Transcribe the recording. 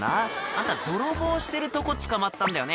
あんた泥棒してるとこ捕まったんだよね？